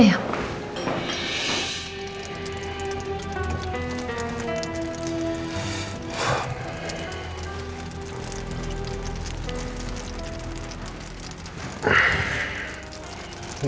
mas dapet pentru